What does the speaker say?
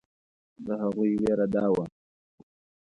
د هغوی وېره دا وه.